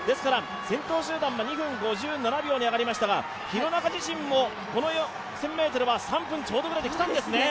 先頭集団が２分５７に上がりましたが廣中自身もこの１０００ｍも３分ちょうどぐらいで来たんですね。